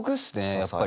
やっぱり。